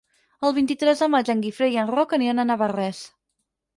El vint-i-tres de maig en Guifré i en Roc aniran a Navarrés.